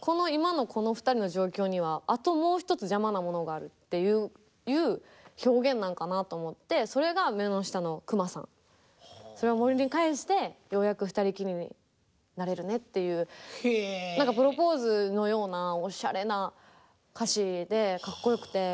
この今のこの二人の状況にはあともう一つ邪魔なものがあるっていう表現なんかなと思ってそれが目の下のクマさんそれを森に帰してようやく二人きりになれるねっていう何かプロポーズのようなおしゃれな歌詞でかっこよくて。